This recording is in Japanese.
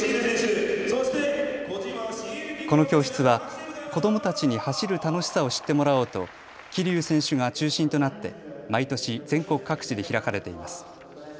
この教室は子どもたちに走る楽しさを知ってもらおうと桐生選手が中心となって毎年、全国各地で開かれています。